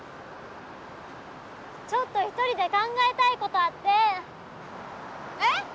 ちょっと１人で考えたいことあってえっ？